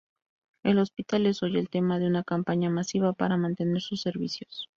El hospital es hoy el tema de una campaña masiva para mantener sus servicios.